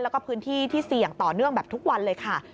แล้วก็พื้นที่ที่เสี่ยงต่อเนื่องแบบทุกวันเลยค่ะ